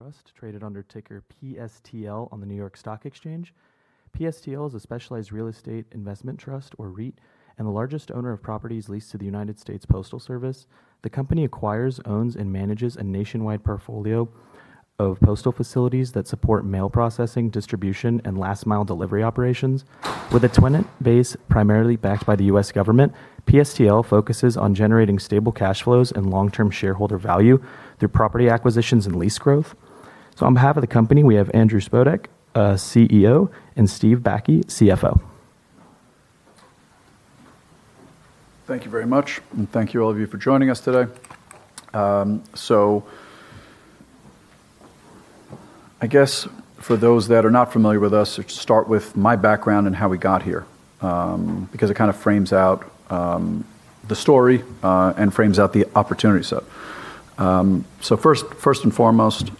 Trust traded under ticker PSTL on the New York Stock Exchange. PSTL is a specialized real estate investment trust, or REIT, and the largest owner of properties leased to the United States Postal Service. The company acquires, owns, and manages a nationwide portfolio of postal facilities that support mail processing, distribution, and last-mile delivery operations. With a tenant base primarily backed by the U.S. government, PSTL focuses on generating stable cash flows and long-term shareholder value through property acquisitions and lease growth. On behalf of the company, we have Andrew Spodek, CEO, and Steve Bakke, CFO. Thank you very much, and thank you all for joining us today. I guess for those that are not familiar with us, let's start with my background and how we got here, because it kind of frames out the story, and frames out the opportunity set. First and foremost,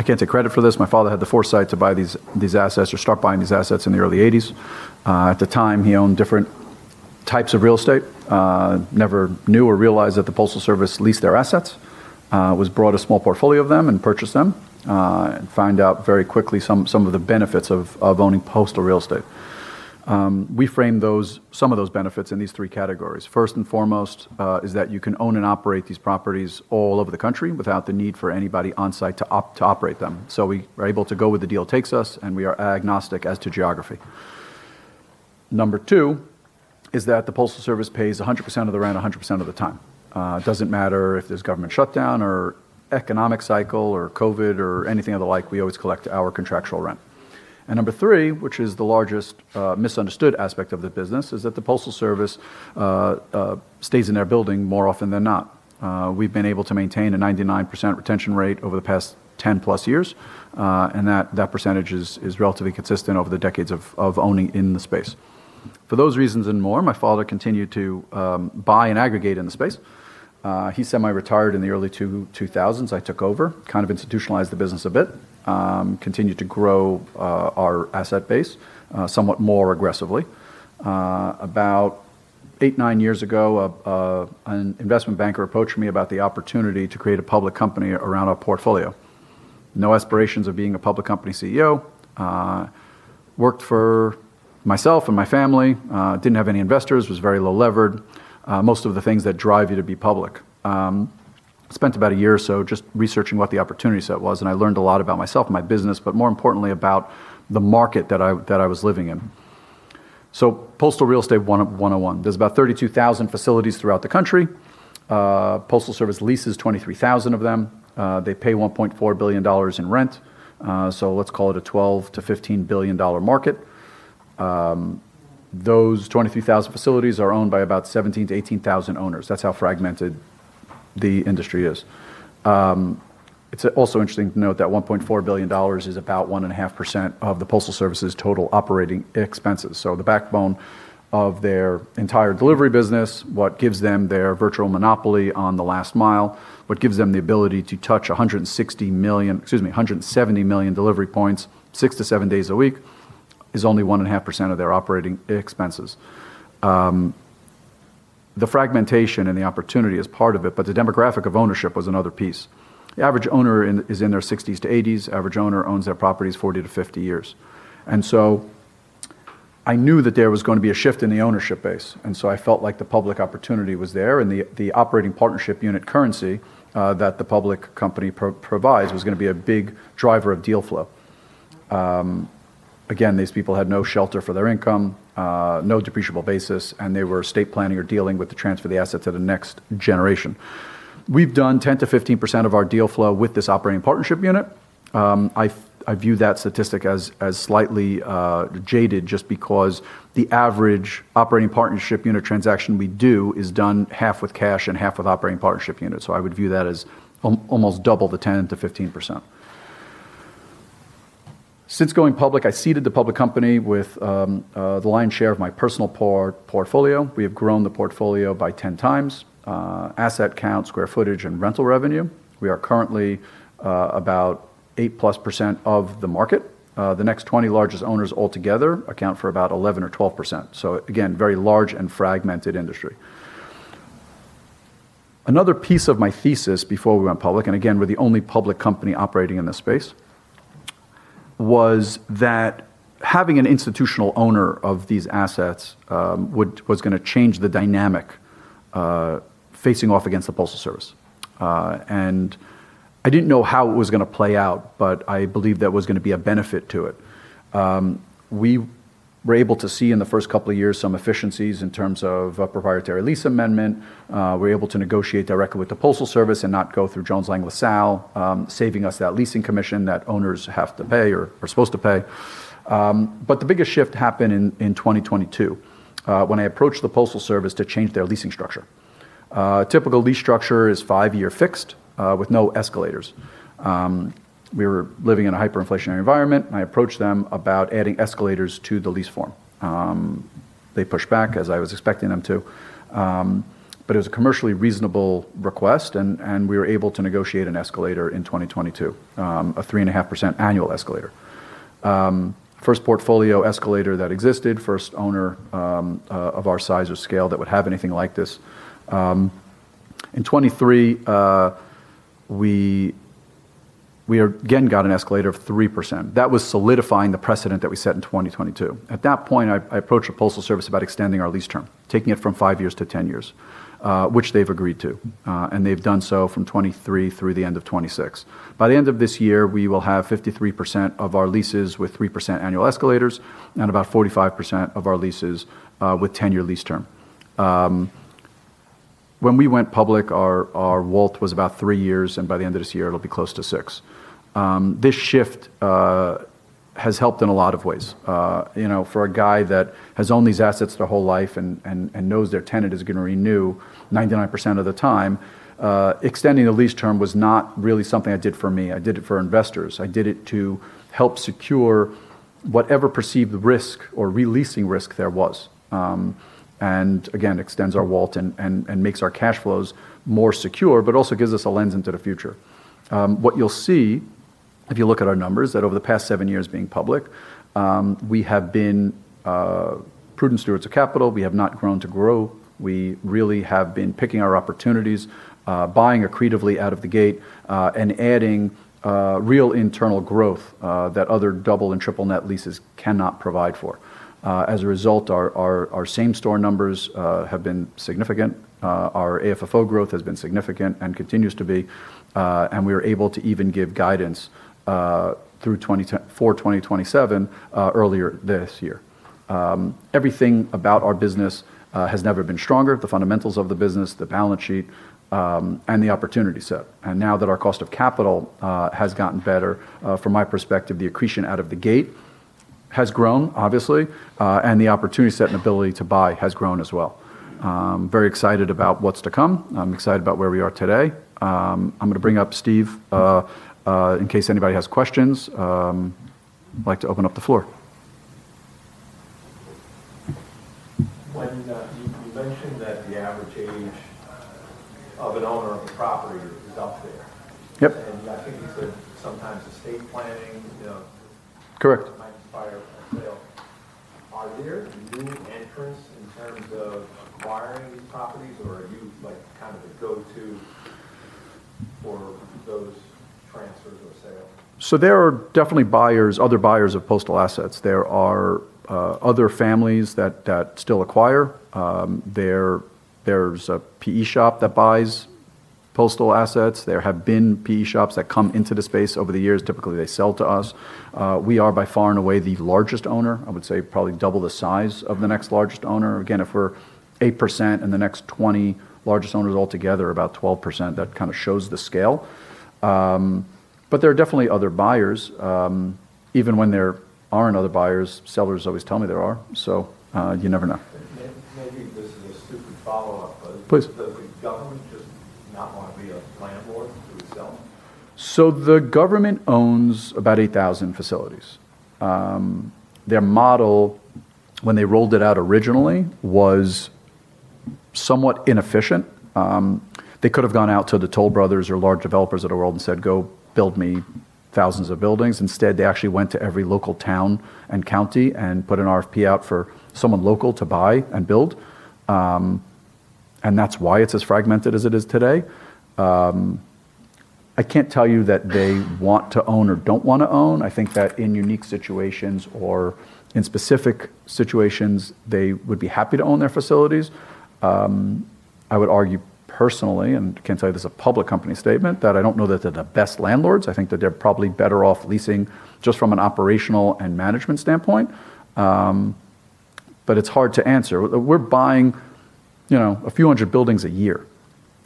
I can't take credit for this. My father had the foresight to buy these assets, or start buying these assets in the early 1980s. At the time, he owned different types of real estate. Never knew or realized that the Postal Service leased their assets. Was brought a small portfolio of them and purchased them, and found out very quickly some of the benefits of owning postal real estate. We frame some of those benefits in these three categories. First and foremost, is that you can own and operate these properties all over the country without the need for anybody on site to operate them. We are able to go where the deal takes us, and we are agnostic as to geography. Number two is that the Postal Service pays 100% of the rent 100% of the time. It doesn't matter if there's government shutdown or economic cycle or COVID or anything of the like, we always collect our contractual rent. Number three, which is the largest misunderstood aspect of the business, is that the Postal Service stays in their building more often than not. We've been able to maintain a 99% retention rate over the past 10 plus years, and that percentage is relatively consistent over the decades of owning in the space. For those reasons and more, my father continued to buy and aggregate in the space. He semi-retired in the early 2000s. I took over, kind of institutionalized the business a bit. Continued to grow our asset base somewhat more aggressively. About eight, nine years ago, an investment banker approached me about the opportunity to create a public company around our portfolio. No aspirations of being a public company CEO. Worked for myself and my family. Didn't have any investors, was very low levered. Most of the things that drive you to be public. Spent about a year or so just researching what the opportunity set was, and I learned a lot about myself and my business, but more importantly, about the market that I was living in. Postal real estate 101. There's about 32,000 facilities throughout the country. Postal Service leases 23,000 of them. They pay $1.4 billion in rent. Let's call it a $12 billion-$15 billion market. Those 23,000 facilities are owned by about 17,000-18,000 owners. That's how fragmented the industry is. It's also interesting to note that $1.4 billion is about 1.5% of the Postal Service's total operating expenses. The backbone of their entire delivery business, what gives them their virtual monopoly on the last mile, what gives them the ability to touch 170 million delivery points six to seven days a week, is only 1.5% of their operating expenses. The fragmentation and the opportunity is part of it, the demographic of ownership was another piece. The average owner is in their 60s-80s. Average owner owns their properties 40-50 years. I knew that there was going to be a shift in the ownership base, I felt like the public opportunity was there, the operating partnership unit currency that the public company provides was going to be a big driver of deal flow. Again, these people had no shelter for their income, no depreciable basis, and they were estate planning or dealing with the transfer of the asset to the next generation. We've done 10%-15% of our deal flow with this operating partnership unit. I view that statistic as slightly jaded just because the average operating partnership unit transaction we do is done half with cash and half with operating partnership units. I would view that as almost double the 10%-15%. Since going public, I seeded the public company with the lion's share of my personal portfolio. We have grown the portfolio by 10x. Asset count, square footage, and rental revenue. We are currently about 8%+ of the market. The next 20 largest owners altogether account for about 11%-12%. Again, very large and fragmented industry. Another piece of my thesis before we went public, again, we're the only public company operating in this space, was that having an institutional owner of these assets was going to change the dynamic facing off against the Postal Service. I didn't know how it was going to play out, I believed there was going to be a benefit to it. We were able to see in the first couple of years some efficiencies in terms of a proprietary lease amendment. We were able to negotiate directly with the Postal Service and not go through Jones Lang LaSalle, saving us that leasing commission that owners have to pay or are supposed to pay. The biggest shift happened in 2022, when I approached the Postal Service to change their leasing structure. A typical lease structure is five-year fixed, with no escalators. We were living in a hyperinflationary environment, and I approached them about adding escalators to the lease form. They pushed back, as I was expecting them to, it was a commercially reasonable request, and we were able to negotiate an escalator in 2022, a 3.5% annual escalator. First portfolio escalator that existed, first owner of our size or scale that would have anything like this. In 2023, we again got an escalator of 3%. That was solidifying the precedent that we set in 2022. At that point, I approached the Postal Service about extending our lease term, taking it from five years to 10 years, which they've agreed to. They've done so from 2023 through the end of 2026. By the end of this year, we will have 53% of our leases with 3% annual escalators and about 45% of our leases with 10-year lease term. When we went public, our WALT was about three years, and by the end of this year, it'll be close to six. This shift has helped in a lot of ways. For a guy that has owned these assets their whole life and knows their tenant is going to renew 99% of the time, extending the lease term was not really something I did for me. I did it for investors. I did it to help secure whatever perceived risk or re-leasing risk there was. Again, extends our WALT and makes our cash flows more secure, but also gives us a lens into the future. What you'll see, if you look at our numbers, that over the past seven years being public, we have been prudent stewards of capital. We have not grown to grow. We really have been picking our opportunities, buying accretively out of the gate, and adding real internal growth that other double and triple net leases cannot provide for. As a result, our same store numbers have been significant. Our AFFO growth has been significant and continues to be. We are able to even give guidance for 2027 earlier this year. Everything about our business has never been stronger, the fundamentals of the business, the balance sheet, and the opportunity set. Now that our cost of capital has gotten better, from my perspective, the accretion out of the gate has grown, obviously. The opportunity set and ability to buy has grown as well. Very excited about what's to come. I'm excited about where we are today. I'm going to bring up Steve, in case anybody has questions. Like to open up the floor. When you mentioned that the average age of an owner of the property is up there. Yep. I think you said sometimes estate planning. Correct might inspire a sale. Are there new entrants in terms of acquiring these properties, or are you the go-to for those transfers or sales? There are definitely other buyers of postal assets. There are other families that still acquire. There's a PE shop that buys postal assets. There have been PE shops that come into the space over the years. Typically, they sell to us. We are by far and away the largest owner, I would say probably double the size of the next largest owner. Again, if we're 8% and the next 20 largest owners altogether are about 12%, that kind of shows the scale. There are definitely other buyers. Even when there aren't other buyers, sellers always tell me there are. You never know. Maybe this is a stupid follow-up. Please Does the government just not want to be a landlord to itself? The government owns about 8,000 facilities. Their model, when they rolled it out originally, was somewhat inefficient. They could've gone out to the Toll Brothers or large developers of the world and said, "Go build me thousands of buildings." Instead, they actually went to every local town and county and put an RFP out for someone local to buy and build. That's why it's as fragmented as it is today. I can't tell you that they want to own or don't want to own. I think that in unique situations or in specific situations, they would be happy to own their facilities. I would argue personally, and can't tell you this as a public company statement, that I don't know that they're the best landlords. I think that they're probably better off leasing just from an operational and management standpoint. It's hard to answer. We're buying a few hundred buildings a year,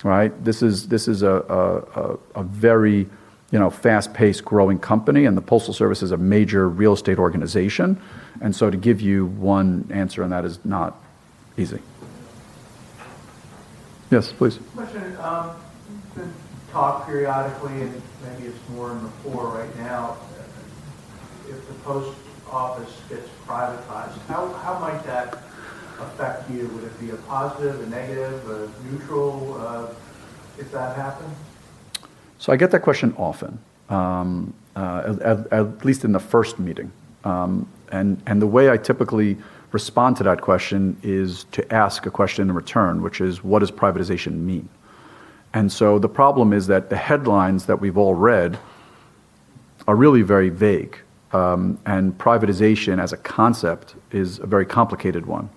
right? This is a very fast-paced growing company, and the Postal Service is a major real estate organization. To give you one answer on that is not easy. Yes, please. Question. You've been talk periodically, and maybe it's more in the fore right now, if the Post Office gets privatized, how might that affect you? Would it be a positive, a negative, a neutral if that happened? I get that question often. At least in the first meeting. The way I typically respond to that question is to ask a question in return, which is, what does privatization mean? The problem is that the headlines that we've all read are really very vague. Privatization as a concept is a very complicated one.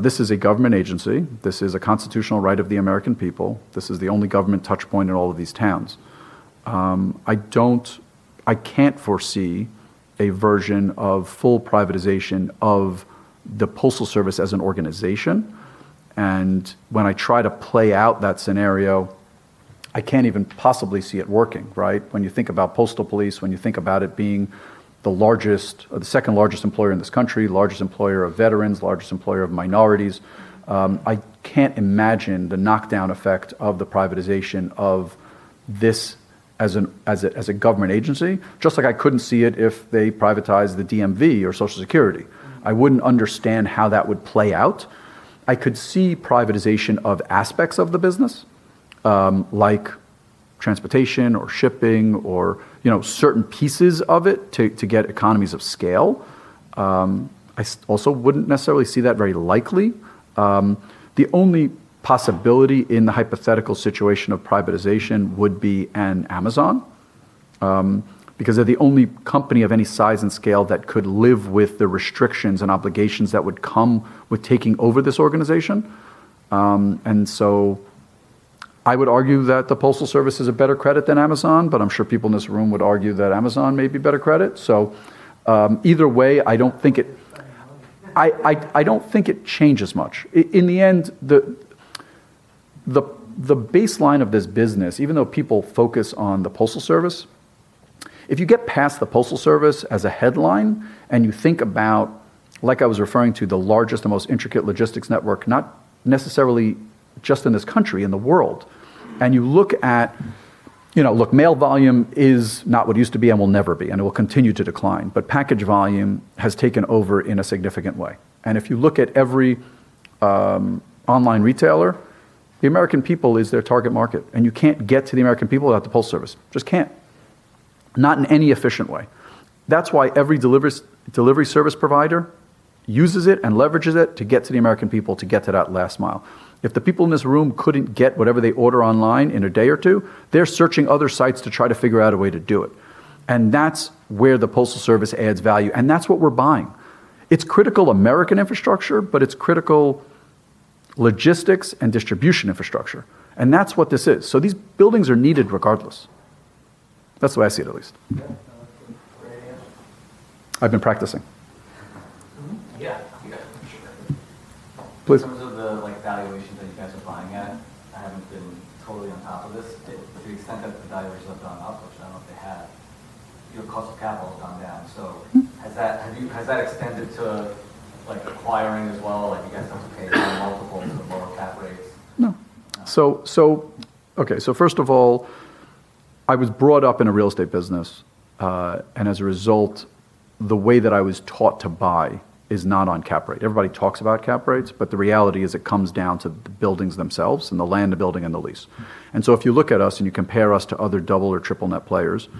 This is a government agency. This is a constitutional right of the American people. This is the only government touchpoint in all of these towns. I can't foresee a version of full privatization of the Postal Service as an organization. When I try to play out that scenario, I can't even possibly see it working, right? When you think about postal police, when you think about it being the second largest employer in this country, largest employer of veterans, largest employer of minorities. I can't imagine the knockdown effect of the privatization of this as a government agency, just like I couldn't see it if they privatized the DMV or Social Security. I wouldn't understand how that would play out. I could see privatization of aspects of the business like transportation or shipping or certain pieces of it to get economies of scale. I also wouldn't necessarily see that very likely. The only possibility in the hypothetical situation of privatization would be an Amazon, because they're the only company of any size and scale that could live with the restrictions and obligations that would come with taking over this organization. I would argue that the Postal Service is a better credit than Amazon, but I'm sure people in this room would argue that Amazon may be better credit. Either way, I don't think it changes much. In the end, the baseline of this business, even though people focus on the Postal Service, if you get past the Postal Service as a headline and you think about, like I was referring to, the largest and most intricate logistics network, not necessarily just in this country, in the world. You look at mail volume is not what it used to be and will never be, and it will continue to decline, but package volume has taken over in a significant way. If you look at every online retailer, the American people is their target market, and you can't get to the American people without the Postal Service. Just can't. Not in any efficient way. That's why every delivery service provider uses it and leverages it to get to the American people to get to that last mile. If the people in this room couldn't get whatever they order online in a day or two, they're searching other sites to try to figure out a way to do it. That's where the Postal Service adds value, and that's what we're buying. It's critical American infrastructure, but it's critical logistics and distribution infrastructure, and that's what this is. These buildings are needed regardless. That's the way I see it at least. Yeah. That was a great answer. I've been practicing. Yeah. You guys for sure. Please. In terms of the valuation that you guys are buying at, I haven't been totally on top of this. To the extent that the valuations have gone up, which I don't know if they have, your cost of capital has gone down. Has that extended to acquiring as well? Like you guys have to pay a multiple to the lower cap rates? No. Okay, first of all, I was brought up in a real estate business. As a result, the way that I was taught to buy is not on cap rate. Everybody talks about cap rates, but the reality is it comes down to the buildings themselves and the land, the building, and the lease. If you look at us and you compare us to other double or triple-net players,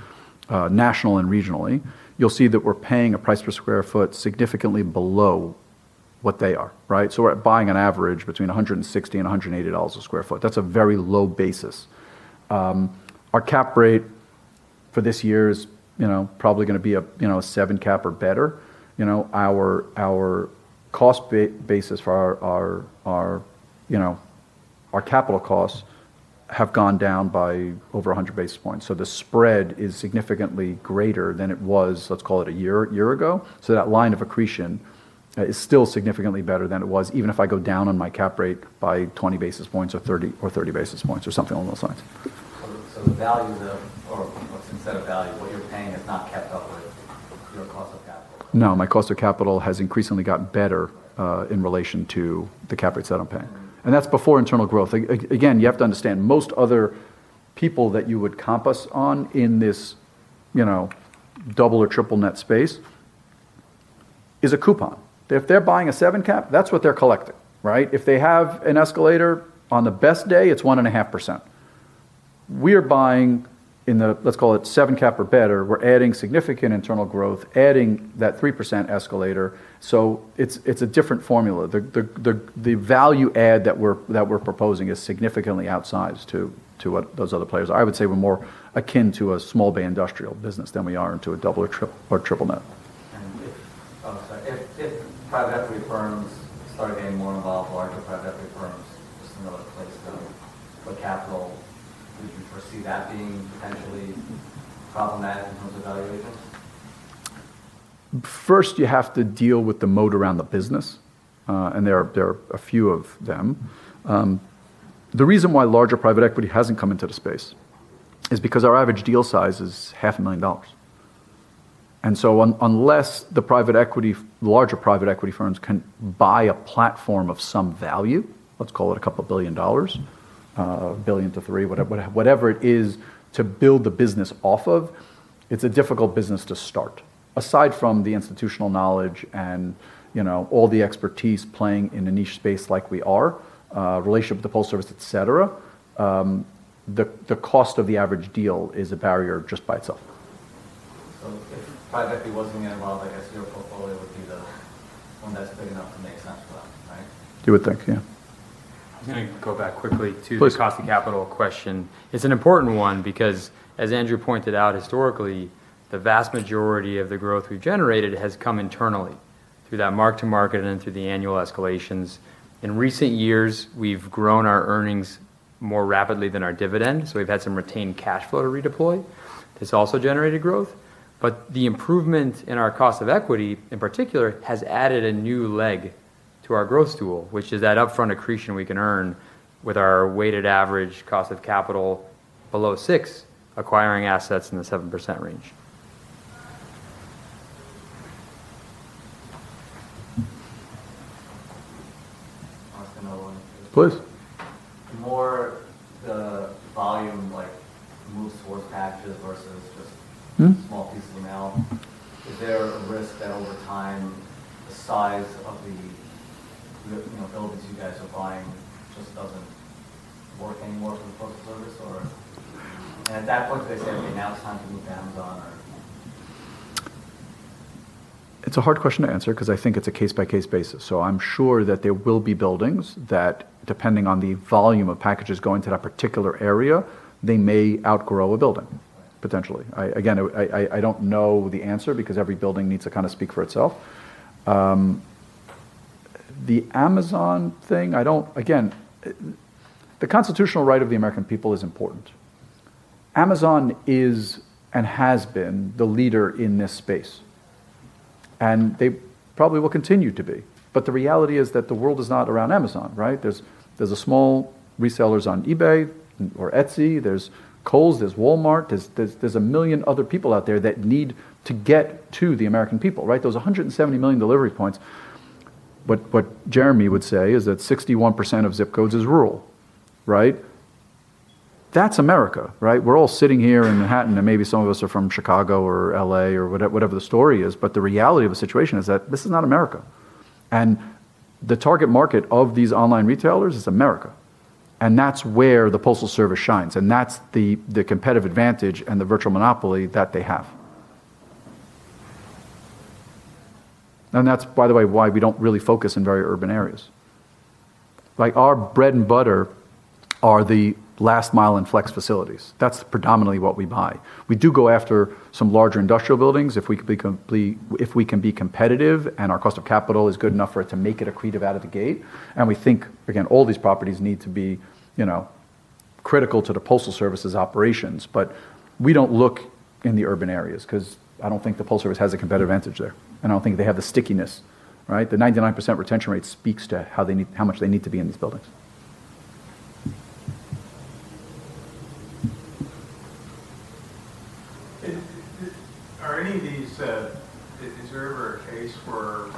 national and regionally, you'll see that we're paying a price per sq ft significantly below what they are, right? We're buying an average between $160 and $180 a sq ft. That's a very low basis. Our cap rate for this year is probably going to be a 7 cap or better. Our cost basis for our capital costs have gone down by over 100 basis points. The spread is significantly greater than it was, let's call it a year ago. That line of accretion is still significantly better than it was, even if I go down on my cap rate by 20 basis points or 30 basis points or something along those lines. The value of the, or some set of value, what you're paying has not kept up with your cost of capital. No, my cost of capital has increasingly gotten better, in relation to the cap rates that I'm paying. That's before internal growth. Again, you have to understand, most other people that you would comp us on in this double or triple-net space is a coupon. If they're buying a 7 cap, that's what they're collecting, right? If they have an escalator on the best day, it's 1.5%. We're buying in the, let's call it 7 cap or better. We're adding significant internal growth, adding that 3% escalator. It's a different formula. The value add that we're proposing is significantly outsized to what those other players are. I would say we're more akin to a small bay industrial business than we are into a double or triple net. If private equity firms start getting more involved, larger private equity firms, just another place to put capital, would you foresee that being potentially problematic in terms of valuations? First, you have to deal with the moat around the business. There are a few of them. The reason why larger private equity hasn't come into the space is because our average deal size is half a million dollars. Unless the larger private equity firms can buy a platform of some value, let's call it $2 billion, $1 billion-$3 billion, whatever it is to build the business off of, it's a difficult business to start. Aside from the institutional knowledge and all the expertise playing in a niche space like we are, relationship with the Postal Service, et cetera, the cost of the average deal is a barrier just by itself. If private equity wasn't getting involved, I guess your portfolio would be the one that's big enough to make sense for them, right? You would think, yeah. I was going to go back quickly to. Please This cost of capital question. It's an important one because, as Andrew pointed out, historically, the vast majority of the growth we've generated has come internally through that mark to market and through the annual escalations. In recent years, we've grown our earnings more rapidly than our dividend, so we've had some retained cash flow to redeploy. This also generated growth. The improvement in our cost of equity, in particular, has added a new leg to our growth tool, which is that upfront accretion we can earn with our weighted average cost of capital below 6, acquiring assets in the 7% range. I'll ask another one. Please. The more the volume, like moves towards packages versus just. small pieces of mail, is there a risk that over time the size of the buildings you guys are buying just doesn't work anymore for the Postal Service? Or at that point do they say, "Okay, now it's time to move to Amazon? It's a hard question to answer because I think it's a case-by-case basis. I'm sure that there will be buildings that, depending on the volume of packages going to that particular area, they may outgrow a building, potentially. Again, I don't know the answer because every building needs to speak for itself. The Amazon thing, the constitutional right of the American people is important. Amazon is and has been the leader in this space, and they probably will continue to be. The reality is that the world is not around Amazon, right? There's small resellers on eBay or Etsy, there's Kohl's, there's Walmart, there's a million other people out there that need to get to the American people, right? Those 170 million delivery points. What Jeremy would say is that 61% of zip codes is rural. That's America. We're all sitting here in Manhattan, and maybe some of us are from Chicago or L.A. or whatever the story is, but the reality of the situation is that this is not America. The target market of these online retailers is America. That's where the Postal Service shines, and that's the competitive advantage and the virtual monopoly that they have. That's, by the way, why we don't really focus in very urban areas. Our bread and butter are the last mile and flex facilities. That's predominantly what we buy. We do go after some larger industrial buildings if we can be competitive and our cost of capital is good enough for it to make it accretive out of the gate. We think, again, all these properties need to be critical to the Postal Service's operations. We don't look in the urban areas because I don't think the Postal Service has a competitive advantage there. I don't think they have the stickiness. The 99% retention rate speaks to how much they need to be in these buildings. Is there ever a case where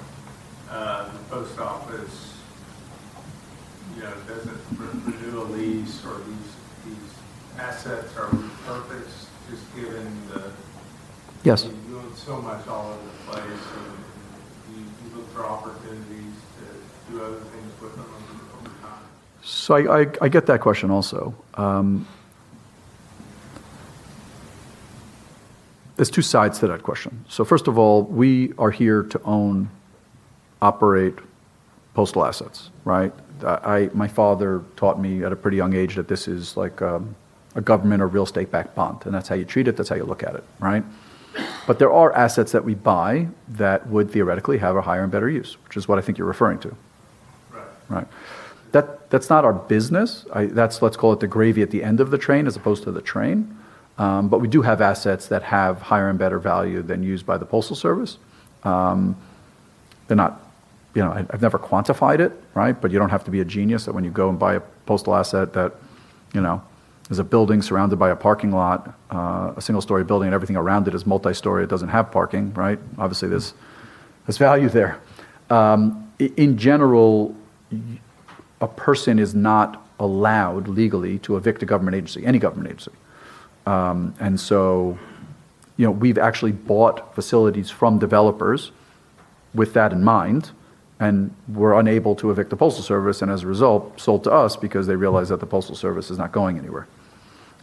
the Postal Service doesn't renew a lease or these assets are repurposed? Yes. You own so much all over the place and you look for opportunities to do other things with them over time. I get that question also. There's two sides to that question. First of all, we are here to own, operate Postal assets. My father taught me at a pretty young age that this is like a government- or real estate-backed bond, and that's how you treat it, that's how you look at it. There are assets that we buy that would theoretically have a higher and better use, which is what I think you're referring to. Right. That's not our business. Let's call it the gravy at the end of the train as opposed to the train. We do have assets that have higher and better value than used by the Postal Service. I've never quantified it. You don't have to be a genius that when you go and buy a Postal asset that is a building surrounded by a parking lot, a single-story building, and everything around it is multi-story, it doesn't have parking. Obviously, there's value there. In general, a person is not allowed legally to evict a government agency, any government agency. We've actually bought facilities from developers with that in mind and were unable to evict the Postal Service, and as a result, sold to us because they realized that the Postal Service is not going anywhere.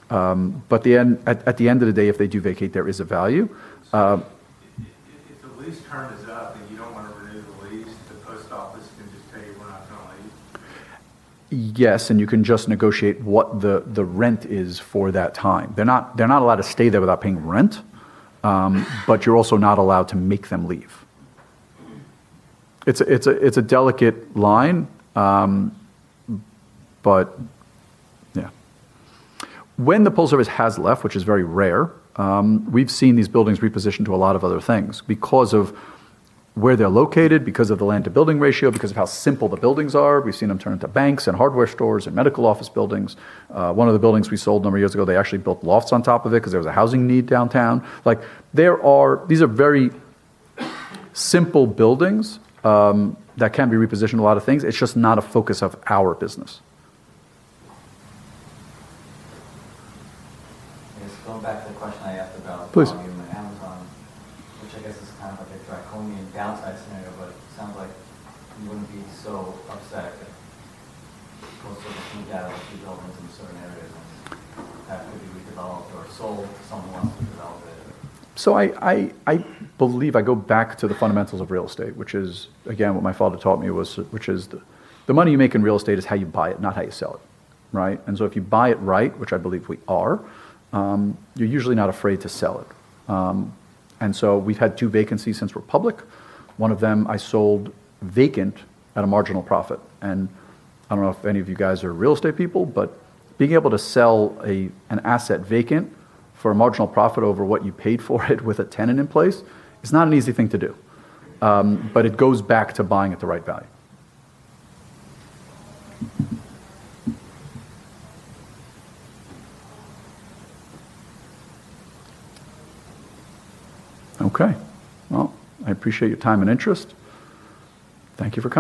At the end of the day, if they do vacate, there is a value. If the lease term is up and you don't want to renew the lease, the post office can just tell you, "We're not going to leave. Yes, you can just negotiate what the rent is for that time. They're not allowed to stay there without paying rent. You're also not allowed to make them leave. It's a delicate line, but yeah. When the Postal Service has left, which is very rare, we've seen these buildings repositioned to a lot of other things because of where they're located, because of the land-to-building ratio, because of how simple the buildings are. We've seen them turn into banks and hardware stores and medical office buildings. One of the buildings we sold a number of years ago, they actually built lofts on top of it because there was a housing need downtown. These are very simple buildings that can be repositioned to a lot of things. It's just not a focus of our business. Just going back to the question I asked about- Please Volume and Amazon, which I guess is kind of like a draconian downside scenario, but it sounds like you wouldn't be so upset if the Post Office moved out of a few buildings in certain areas and that could be redeveloped or sold to someone who wants to develop it. I believe I go back to the fundamentals of real estate, which is, again, what my father taught me, which is the money you make in real estate is how you buy it, not how you sell it. If you buy it right, which I believe we are, you're usually not afraid to sell it. We've had two vacancies since we're public. One of them I sold vacant at a marginal profit. I don't know if any of you guys are real estate people, but being able to sell an asset vacant for a marginal profit over what you paid for it with a tenant in place is not an easy thing to do. It goes back to buying at the right value. Okay. Well, I appreciate your time and interest. Thank you for coming.